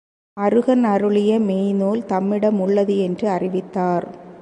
அருகன் அருளிய மெய்ந் நூல் தம்மிடம் உள்ளது என்று அறிவித்தார்.